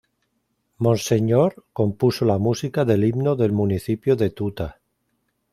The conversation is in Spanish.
Monseñor compuso la música del himno del municipio De Tuta.